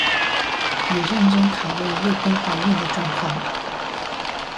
也認真討論未婚懷孕的狀況